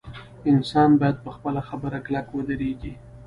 انسان باید په خپله خبره کلک ودریږي.